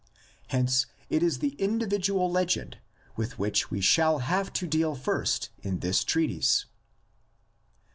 Hence it is the individual legend with which we shall have to deal first in this treatise.